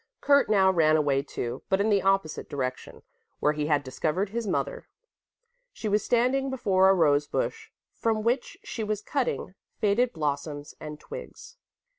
Kurt now ran away, too, but in the opposite direction, where he had discovered his mother. She was standing before a rose bush from which she was cutting faded blossoms and twigs.